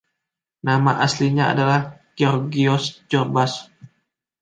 Nama aslinya adalah Georgios Zorbas.